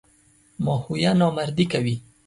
ماهویه نامردي کوي.